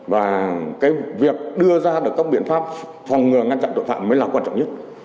và cái việc đưa ra được các biện pháp phòng ngừa ngăn chặn tội phạm mới là quan trọng nhất